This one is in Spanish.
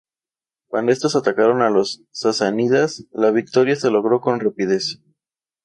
Cuando estos atacaron a los sasánidas la victoria se logró con rapidez.